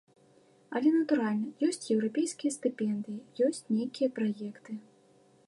Але, натуральна, ёсць еўрапейскія стыпендыі, ёсць нейкія праекты.